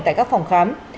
tại các phòng khám